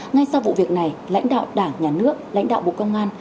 ngay sau vụ việc này lãnh đạo đảng nhà nước lãnh đạo bộ công an